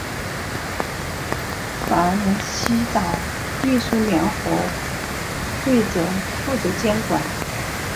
法兰西岛运输联合会则负责监管。